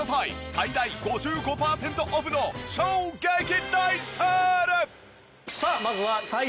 最大５５パーセントオフの衝撃大セール！